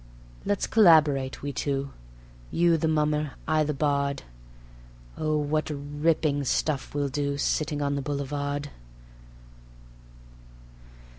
Let's collaborate, we two, You the Mummer, I the Bard; Oh, what ripping stuff we'll do, Sitting on the Boulevard!